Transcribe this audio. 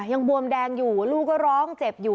บวมแดงอยู่ลูกก็ร้องเจ็บอยู่